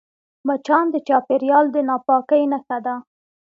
مچان د چاپېریال د ناپاکۍ نښه ده